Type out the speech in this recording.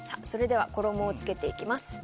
それでは衣をつけていきます。